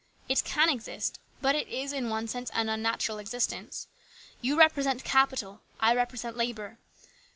" It can exist ; but it is, in one sense, an unnatural existence. You repre sent Capital ; I represent Labour.